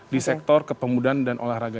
di sektor kepemudaan dan olahraga